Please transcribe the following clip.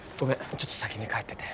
ちょっと先に帰ってて。